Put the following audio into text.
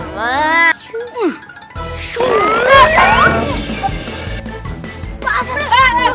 pak asad eh eh eh